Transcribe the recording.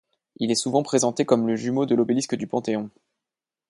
Il est souvent présenté comme le jumeau de l'obélisque du Panthéon.